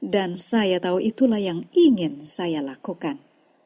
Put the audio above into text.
dan saya tahu itulah yang ingin saya lakukan